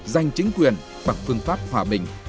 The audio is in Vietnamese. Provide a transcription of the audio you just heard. giành chính quyền bằng phương pháp hòa bình